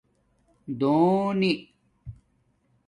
دونئ